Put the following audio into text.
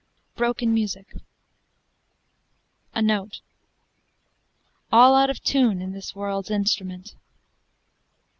_ BROKEN MUSIC "A note All out of tune in this world's instrument."